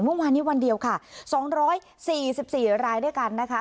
เมื่อวานนี้วันเดียวค่ะ๒๔๔รายด้วยกันนะคะ